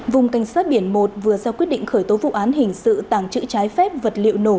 vùng cảnh sát biển một vừa ra quyết định khởi tố vụ án hình sự tàng trữ trái phép vật liệu nổ